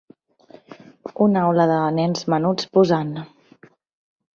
Una aula de nens menuts posant.